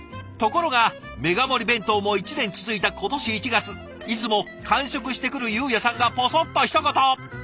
ところがメガ盛り弁当も１年続いた今年１月いつも完食してくるゆうやさんがぼそっとひと言。